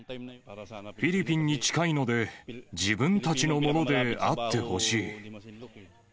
フィリピンに近いので、自分たちのものであってほしい。